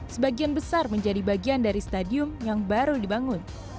sebagian besar menjadi bagian dari stadium yang baru dibangun